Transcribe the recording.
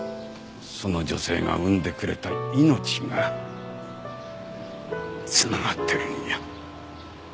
その女性が産んでくれた命が繋がってるんや。